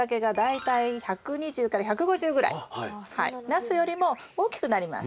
ナスよりも大きくなります。